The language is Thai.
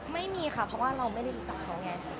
ไม่มีค่ะเพราะว่าเราไม่ได้รู้จักเขาไง